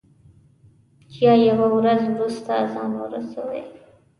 یا یوه ورځ وروسته ځان ورسوي.